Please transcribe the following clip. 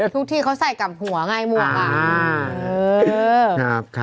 ทุกที่เขาใส่กลับหัวไงหมวกอ่ะ